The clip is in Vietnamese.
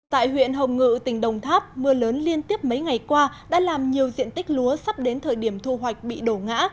tại huyện hồng ngự tỉnh đồng tháp mưa lớn liên tiếp mấy ngày qua đã làm nhiều diện tích lúa sắp đến thời điểm thu hoạch bị đổ ngã